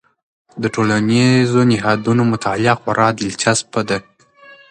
د ټولنیزو نهادونو مطالعه خورا دلچسپ ده.